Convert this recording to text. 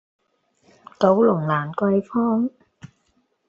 九龍蘭桂坊